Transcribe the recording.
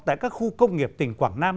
tại các khu công nghiệp tỉnh quảng nam